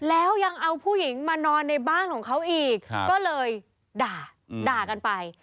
แล้วยังเอาผู้หญิงมานอนในบ้านของเขาอีกก็เลยด่าด่ากันไป